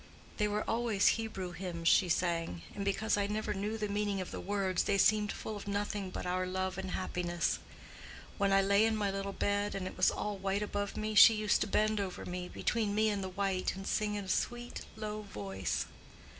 They were always Hebrew hymns she sang; and because I never knew the meaning of the words they seemed full of nothing but our love and happiness. When I lay in my little bed and it was all white above me, she used to bend over me, between me and the white, and sing in a sweet, low voice.